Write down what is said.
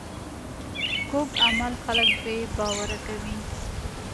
کوږ عمل خلک بې باوره کوي